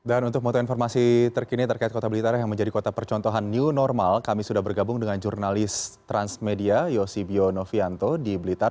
dan untuk moton informasi terkini terkait kota blitar yang menjadi kota percontohan new normal kami sudah bergabung dengan jurnalis transmedia yosi bionovianto di blitar